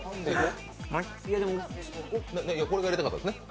これがやりたかったんですよね。